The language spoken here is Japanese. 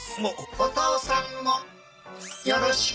お父さんもよろしく。